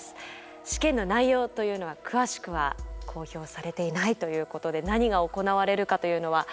試験の内容というのは詳しくは公表されていないということで何が行われるかというのは分からないと。